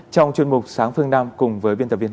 trong chuyên mục sáng phương nam cùng với biên tập viên